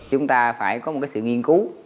chúng ta phải có một cái sự nghiên cứu